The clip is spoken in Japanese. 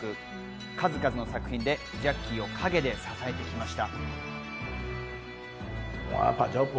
数々の作品でジャッキーを陰で支えてきました。